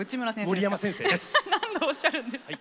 ハハハ何度おっしゃるんですか。